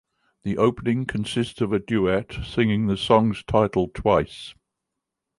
The opening consists of a duet singing the song's title twice.